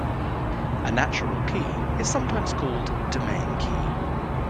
A natural key is sometimes called "domain key".